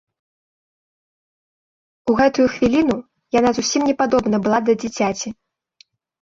У гэтую хвіліну яна зусім не падобна была да дзіцяці.